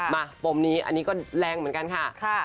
ปมนี้อันนี้ก็แรงเหมือนกันค่ะ